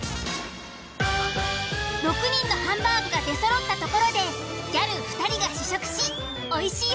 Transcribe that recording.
６人のハンバーグが出そろったところでギャル２人が試食しおいしい